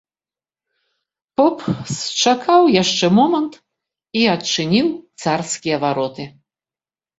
Поп счакаў яшчэ момант і адчыніў царскія вароты.